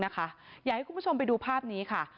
อยากให้คุณผู้ชมไปดูภาพนี้ค่ะ